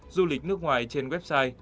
du lịch nước ngoài trên website